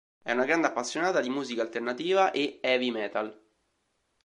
È una grande appassionata di musica alternativa e heavy metal.